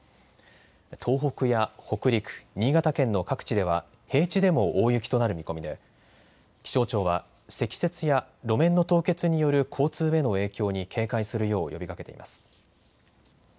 東北や北陸、新潟県の各地では平地でも大雪となる見込みで気象庁は積雪や路面の凍結による交通への影響に警戒するよう呼びかけています。